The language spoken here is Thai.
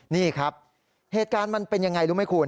นี่ครับเหตุการณ์มันเป็นยังไงรู้ไหมคุณ